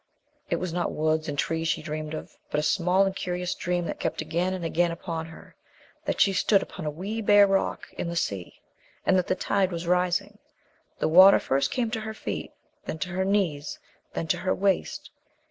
It was not woods and trees she dreamed of, but a small and curious dream that kept coming again and again upon her; that she stood upon a wee, bare rock I the sea, and that the tide was rising. The water first came to her feet, then to her knees, then to her waist.